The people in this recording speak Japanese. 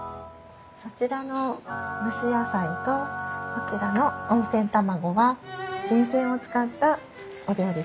そちらの蒸し野菜とこちらの温泉卵は源泉を使ったお料理です。